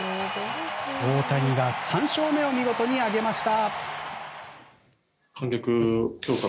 大谷が３勝目を見事に挙げました。